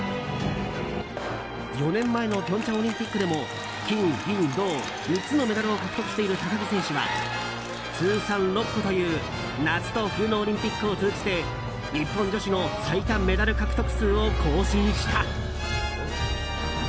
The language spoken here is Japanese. ４年前の平昌オリンピックでも金、銀、銅３つのメダルを獲得している高木選手は通算６個という夏と冬のオリンピックを通じて日本女子の最多メダル獲得数を更新した。